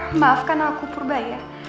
ya maafkan aku purbaia